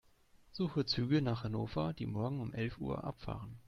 Suche Züge nach Hannover, die morgen um elf Uhr abfahren.